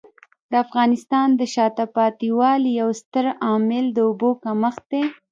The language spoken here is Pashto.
د افغانستان د شاته پاتې والي یو ستر عامل د اوبو کمښت دی.